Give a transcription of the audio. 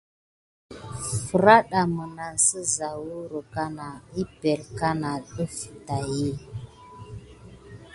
Ferada minane siza huro akana epəŋle kana def taki.